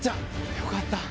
よかった。